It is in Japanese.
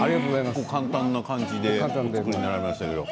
簡単な感じでお作りになりましたけれど。